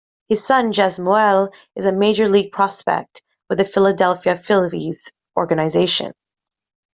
His son, Jesmuel, is a Major League prospect with the Philadelphia Phillies organization.